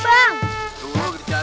tuh lu lagi dicari